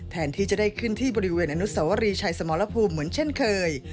แทนที่จะได้ขึ้นที่บริเวณอนุสวรีชัยสมรภูมิเหมือนเช่นเคย